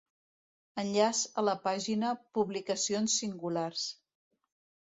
Enllaç a la pàgina Publicacions singulars.